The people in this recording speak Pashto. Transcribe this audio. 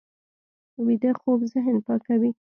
ویده خوب ذهن پاکوي